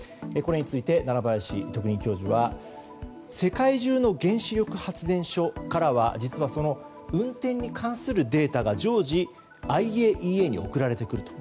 これについて、奈良林特任教授は世界中の原子力発電所からは実は、運転に関するデータが常時、ＩＡＥＡに送られてくる。